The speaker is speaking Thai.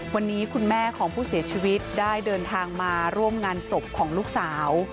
วันนี้คุณแม่ของผู้เสียชีวิตได้เดินทางมาร่วมงานศพของลูกสาว